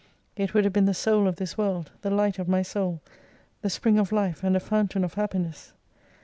It would have been the Soul of this world, the light of my Soul, the spring of life, and a fountain of Happiness.